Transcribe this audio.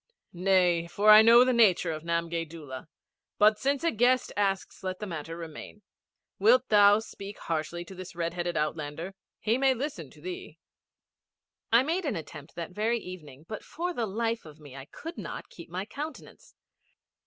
'Nay, for I know the nature of Namgay Doola; but since a guest asks let the matter remain. Wilt thou speak harshly to this red headed outlander. He may listen to thee.' I made an attempt that very evening, but for the life of me I could not keep my countenance.